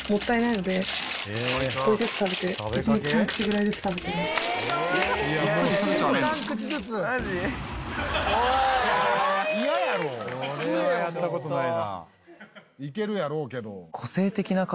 いけるやろうけど。